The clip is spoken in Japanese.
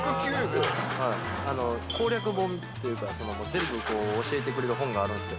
攻略本っていうか、全部教えてくれる本があるんですよ。